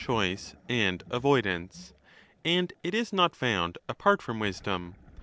3 1199 choice and avoidance), and it is not found apart from wisdom.